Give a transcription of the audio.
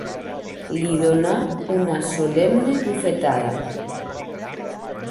Li donà una solemne bufetada.